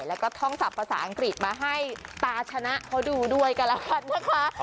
แล้วก็ท่องจับภาษาอังกฤษมาให้ตาชนะเพราะดูด้วยกะละพัดเมื่อความ